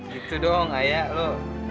gitu dong ayah lo